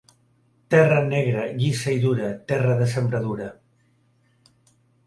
Terra negra, llisa i dura, terra de sembradura.